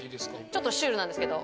ちょっとシュールなんですけど。